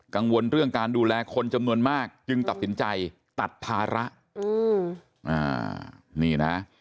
กังวลเรื่องการดูแลคนจำนวนมากจึงตัดสินใจตัดภาระนี่นะ